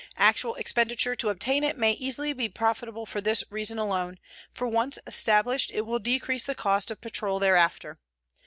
Actual expenditure to obtain it may easily be profitable for this reason alone, for once established it will decrease the cost of patrol thereafter.